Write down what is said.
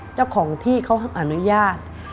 เจ้าของที่เขาอนุญาต